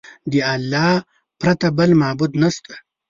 د الله پرته بل معبود نشته.